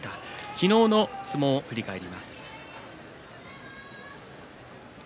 昨日の相撲を振り返ります。